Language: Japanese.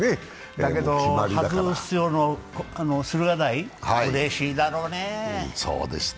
だけど初出場の駿河台、うれしいだろうね。